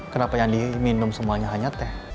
kenapa yang diminum semuanya hanya teh